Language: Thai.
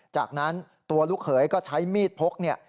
จากนั้นตัวลูกเขยก็ใช้มีดพกเนี่ย